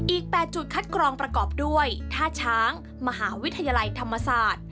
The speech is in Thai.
อีก๘จุดคัดกรองประกอบด้วยท่าช้างมหาวิทยาลัยธรรมศาสตร์